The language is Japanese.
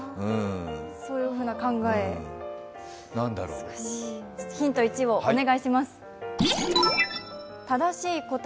そういう考えヒント１をお願いします。